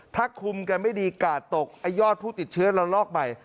ถ้าคุมกันไม่ดีกาดตกไอ้ยอดผู้ติดเชื้อละลอกใหม่